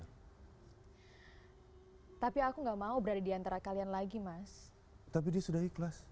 hai tapi aku nggak mau berada di antara kalian lagi mas tapi sudah ikhlas